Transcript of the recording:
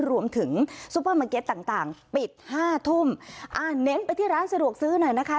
ซุปเปอร์มาร์เก็ตต่างต่างปิดห้าทุ่มอ่าเน้นไปที่ร้านสะดวกซื้อหน่อยนะคะ